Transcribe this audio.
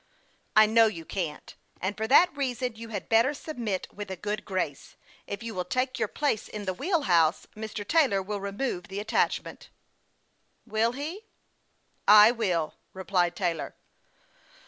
" I know you can't, and for that reason you had better submit with a good grace. If you will take your place in the wheel house, Mr. Taylor will re move the attachment." "Will he?" " I will," replied Taylor.